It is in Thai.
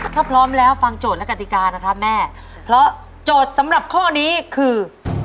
ถ้าพร้อมแล้วฟังโจทย์และกติกานะครับแม่เพราะโจทย์สำหรับข้อนี้คือ